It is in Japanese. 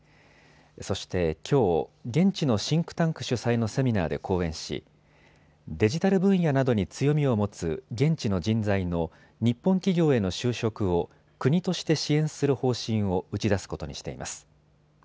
そしてきょう、現地のシンクタンク主催のセミナーで講演し、デジタル分野などに強みを持つ現地の人材の日本企業への就職を国として支援する方針を打ち出すことにしています。